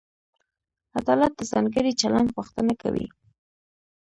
عدالت د ځانګړي چلند غوښتنه کوي.